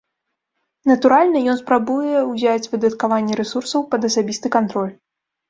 Натуральна, ён спрабуе ўзяць выдаткаванне рэсурсаў пад асабісты кантроль.